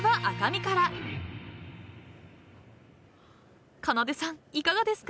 ［かなでさんいかがですか？］